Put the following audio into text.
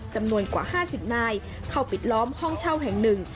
จำนวนกว่า๕๐นายเข้าปิดล้อมห้องเช่าแห่งหนึ่ง